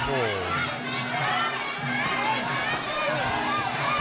โอ้โห